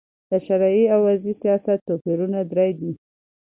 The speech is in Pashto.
د شرعې او وضي سیاست توپیرونه درې دي.